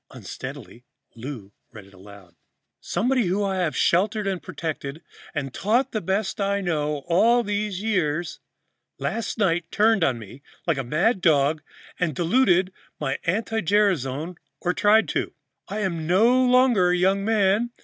Unsteadily, Lou read it aloud: "'Somebody who I have sheltered and protected and taught the best I know how all these years last night turned on me like a mad dog and diluted my anti gerasone, or tried to. I am no longer a young man.